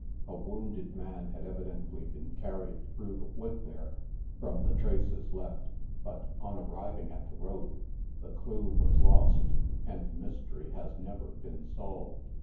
A wounded man had evidently been carried through the wood there, from the traces left, but, on arriving at the road, the clue wa3 lost, and the mystery has never been solved.